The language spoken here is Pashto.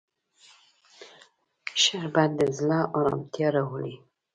شربت د زړه ارامتیا راولي